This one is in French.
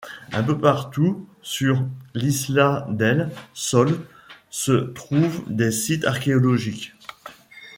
Un peu partout sur l'Isla del Sol se trouvent des sites archéologiques.